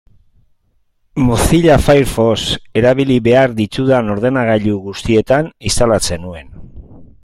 Mozilla Firefox erabili behar ditudan ordenagailu guztietan instalatzen nuen.